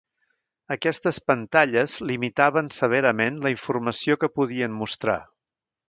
Aquestes pantalles limitaven severament la informació que podien mostrar.